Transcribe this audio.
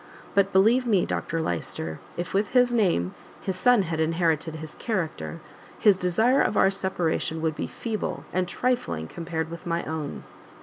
But believe me, Dr Lyster, if with his name, his son had inherited his character, his desire of our separation would be feeble, and trifling, compared with my own!"